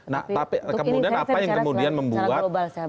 nah tapi kemudian apa yang kemudian membuat